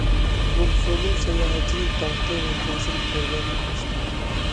ئونسۇنىڭ ساياھەتچىلىك داڭقى ۋە تەسىرى كۆرۈنەرلىك ئاشتى.